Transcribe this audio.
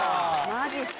・マジっすか・